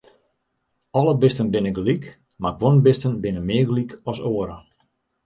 Alle bisten binne gelyk, mar guon bisten binne mear gelyk as oare.